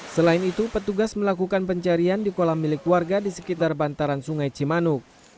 selain itu petugas melakukan pencarian di kolam milik warga di sekitar bantaran sungai cimanuk